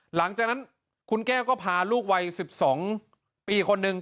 หลังจากนั้นคุณแก้วก็พาลูกวัย๑๒ปีคนหนึ่ง